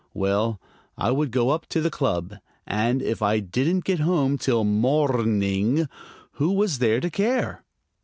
Well, I would go up to the club, and if I didn't get home till mor r ning, who was there to care?